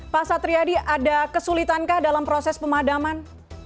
pak satriadi ada kesulitankah dalam proses pemadaman